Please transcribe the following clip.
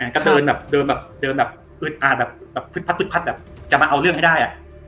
ก็เดินแบบเอืดอาจพึดพัดจะมาเอาเรื่องให้ได้